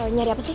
ngeri apa sih